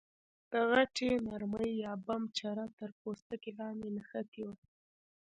د غټې مرمۍ یا بم چره یې تر پوستکي لاندې نښتې وه.